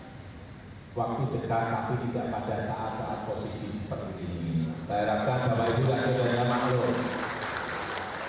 saya harapkan bapak ibu tidak bisa nyamak loh